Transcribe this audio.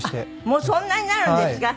もうそんなになるんですか？